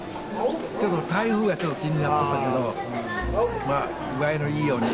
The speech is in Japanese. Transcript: ちょっと台風が気になってたけどまあ具合のいいように。